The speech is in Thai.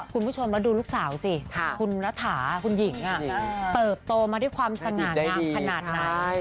คุณผู้ชมแล้วดูลูกสาวสิคุณรัฐาคุณหญิงเติบโตมาด้วยความสง่างามขนาดไหน